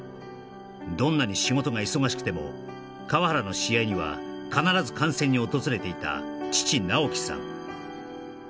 どんなに仕事が忙しくても川原の試合には必ず観戦に訪れていた父・直樹さん